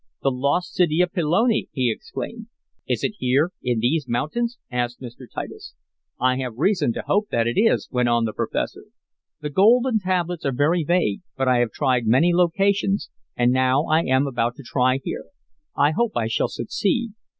"The lost city of Pelone!" he exclaimed. "Is it here in these mountains?" asked Mr. Titus. "I have reason to hope that it is," went on the professor. "The golden tablets are very vague, but I have tried many locations, and now I am about to try here. I hope I shall succeed.